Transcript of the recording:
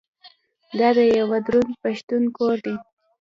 دا د یوه دروند پښتون کور دی.